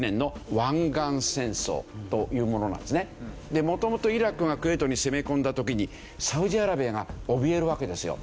で元々イラクがクウェートに攻め込んだ時にサウジアラビアがおびえるわけですよ。